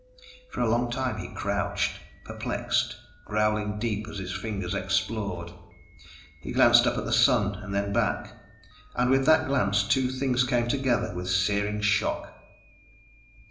For a long time he crouched, perplexed, growling deep as his fingers explored. He glanced up at the sun, and then back, and with that glance two things came together with searing shock....